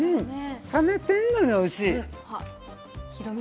冷めてるのにおいしい！